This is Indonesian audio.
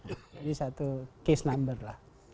satu case number lah